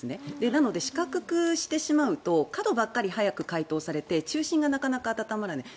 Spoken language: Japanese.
なので四角くすると角ばっかり早く解凍されて中心がなかなか温まらない。